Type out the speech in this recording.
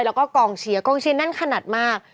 แล้วก็กองเชียร์กร้องชิ้นนั่นขนาดมาก